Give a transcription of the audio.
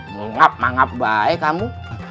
mengap mangap baik kamu